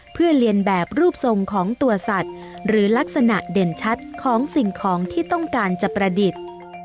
เพื่อเรียนแบบรูปทรงของตัวสัตว์หรือลักษณะเด่นชัดของสิ่งของที่ต้องการจะประดิษฐ์